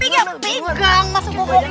pegang pegang masuk bawa kaca